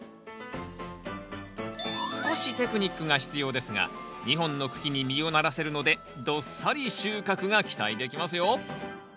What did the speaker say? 少しテクニックが必要ですが２本の茎に実をならせるのでどっさり収穫が期待できますよ！